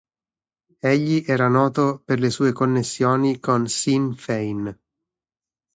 Egli era noto per le sue connessioni con Sinn Féin.